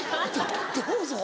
どどうぞ。